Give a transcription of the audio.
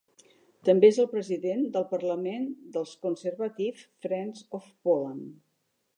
També és el president del parlament dels Conservative Friends of Poland.